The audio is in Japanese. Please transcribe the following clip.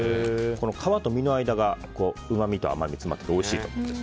皮と実の間がうまみと甘みが詰まっていておいしいんです。